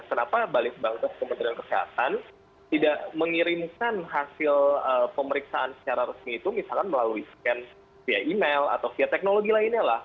kenapa balisbang kementerian kesehatan tidak mengirimkan hasil pemeriksaan secara resmi itu misalkan melalui scan via email atau via teknologi lainnya lah